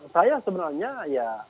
saya sebenarnya ya